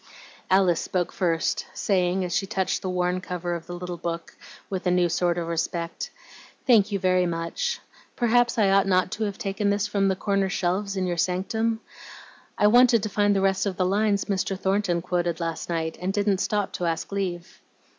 Alice spoke first, saying, as she touched the worn cover of the little book with a new sort of respect, "Thank you very much! Perhaps I ought not to have taken this from the corner shelves in your sanctum? I wanted to find the rest of the lines Mr. Thornton quoted last night, and didn't stop to ask leave."